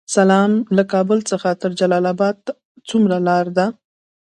سلام، له کابل څخه تر جلال اباد څومره لاره ده؟